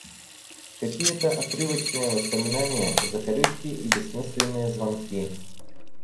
Какие-то отрывочные воспоминания, закорючки и бессмысленные звонки.